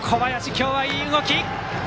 今日はいい動き！